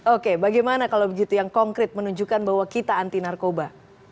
oke bagaimana kalau begitu yang konkret menunjukkan bahwa kita anti narkoba